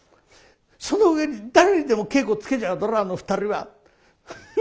その上に誰にでも稽古つけちゃうだろあの２人は」。